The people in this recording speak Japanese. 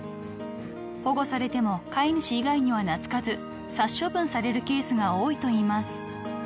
［保護されても飼い主以外には懐かず殺処分されるケースが多いといいます］